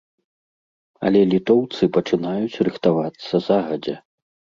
Але літоўцы пачынаюць рыхтавацца загадзя.